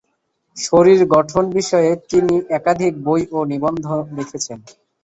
শরীর গঠন বিষয়ে তিনি একাধিক বই ও নিবন্ধ লিখেছেন।